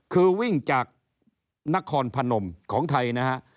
คือวิ่งจากนครพนมของไทยนะฮะ